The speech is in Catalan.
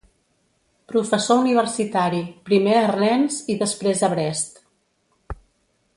Professor universitari, primer a Rennes i després a Brest.